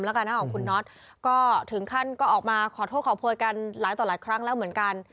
แล้วก็ถึงขั้นก็ออกมาขอโทษขอโพยกันหลายต่อหลายครั้งแล้วเหมือนกัน